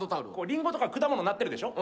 リンゴとか果物なってるでしょ？